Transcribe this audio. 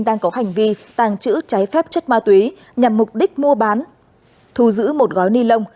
đang có hành vi tàng trữ trái phép chất ma túy nhằm mục đích mua bán thu giữ một gói ni lông